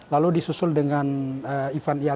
lalu disusul dengan eventnya